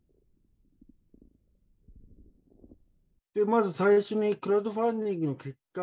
まず最初にクラウドファンディングの結果。